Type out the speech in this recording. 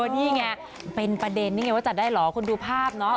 นี่ไงเป็นประเด็นนี่ไงว่าจัดได้เหรอคนดูภาพเนาะ